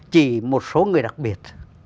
chỉ một số người đặc biệt